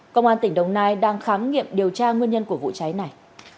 công an tỉnh đồng nai đang khám nghiệm điều tra nguyên nhân của vụ cháy này